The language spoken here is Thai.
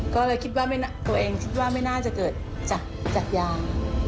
ก็เลยคิดว่าตัวเองคิดว่าไม่น่าจะเกิดจากยา